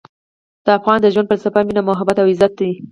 د افغان د ژوند فلسفه مینه، محبت او عزت دی.